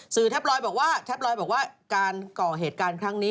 สื่อแท็บลอยบอกว่าการเกาะเหตุการณ์ครั้งนี้